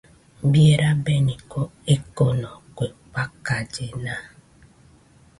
Bie rabeniko ekoko, kue fakallena